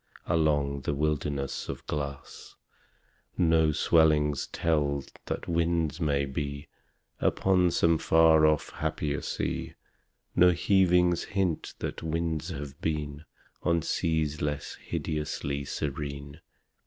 Along that wilderness of glass No swellings tell that winds may be Upon some far off happier sea No heavings hint that winds have been On seas less hideously serene.